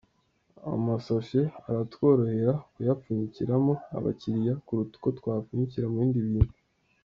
Amasashe aratworohera kuyapfunyikiramo abakiriya, kuruta uko twapfunyika mu bindi bintu .